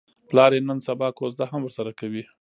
پلار یې نن سبا کوزده هم ورسره کوي.